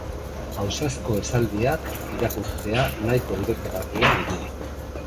Ausazko esaldiak irakurtzea nahiko dibertigarria dirudi.